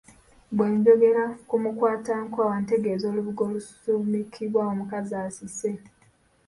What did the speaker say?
Bwe njogera ku Mukwatankwaawa ntegeeza olubugo olusumikibwa omukazi asise.